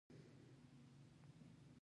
دا وروستی تهمت راباند ې ورور اولګوو